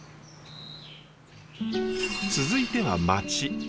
続いては町。